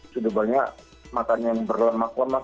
sudah banyak makan yang berlemak lemak